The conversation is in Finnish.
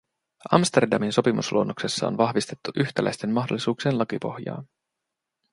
Amsterdamin sopimusluonnoksessa on vahvistettu yhtäläisten mahdollisuuksien lakipohjaa.